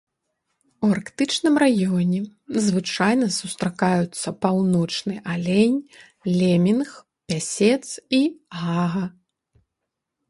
У арктычным раёне звычайна сустракаюцца паўночны алень, лемінг, пясец і гага.